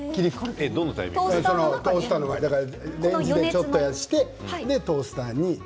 電子レンジでちょっとしてトースターに。